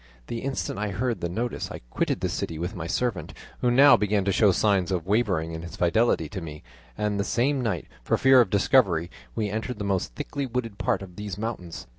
The instant I heard the notice I quitted the city with my servant, who now began to show signs of wavering in his fidelity to me, and the same night, for fear of discovery, we entered the most thickly wooded part of these mountains.